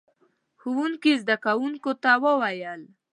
ښوونکي زده کوونکو ته وويل: